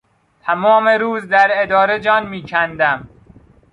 تمام روز در اداره جان میکندم.